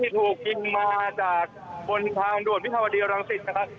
ถูกกินมาจากบนทางด่วนวิทยาวดีอลังศิษย์นะครับ